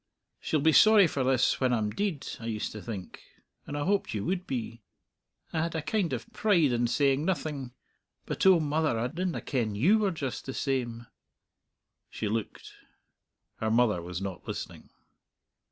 'She'll be sorry for this when I'm deid,' I used to think; and I hoped you would be. I had a kind of pride in saying nothing. But, O mother, I didna ken you were just the same; I didna ken you were just the same." She looked. Her mother was not listening.